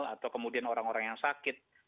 atau kemudian orang orang yang sakit